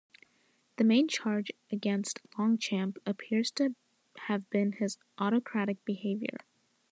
The main charge against Longchamp appears to have been his autocratic behaviour.